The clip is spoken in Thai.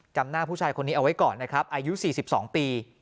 จำหน้าผู้ชายคนนี้เอาไว้ก่อนนะครับอายุ๔๒ปี